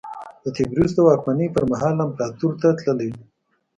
د تبریوس د واکمنۍ پرمهال امپراتور ته تللی و